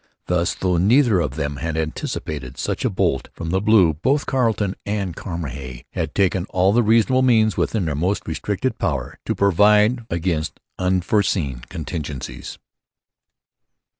Thus, though neither of them had anticipated such a bolt from the blue, both Carleton and Cramahe had taken all the reasonable means within their most restricted power to provide against unforeseen contingencies.